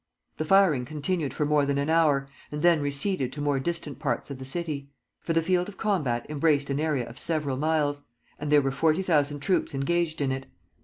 The firing continued for more than an hour, and then receded to more distant parts of the city; for the field of combat embraced an area of several miles, and there were forty thousand troops engaged in it.